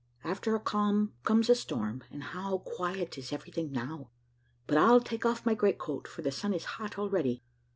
After a calm comes a storm; and how quiet is everything now! But I'll take off my great coat, for the sun is hot already.